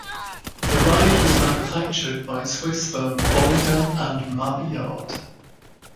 The ride was manufactured by Swiss firm Bolliger and Mabillard.